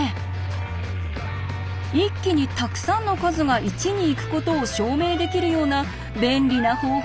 一気にたくさんの数が１に行くことを証明できるような便利な方法